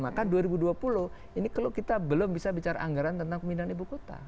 maka dua ribu dua puluh ini kalau kita belum bisa bicara anggaran tentang pemindahan ibu kota